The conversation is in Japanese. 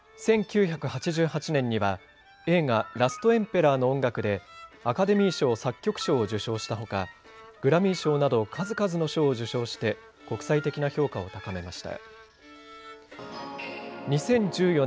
１９８８年には映画ラストエンペラーの音楽でアカデミー賞作曲賞を受賞したほかグラミー賞など数々の賞を受賞して国際的な評価を高めました。